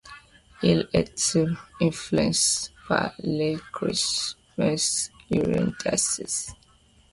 Il était influencé par le christianisme irlandais.